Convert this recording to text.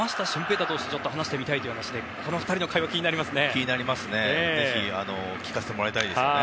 大投手と話してみたいという話でこの２人の会話は気になりますね。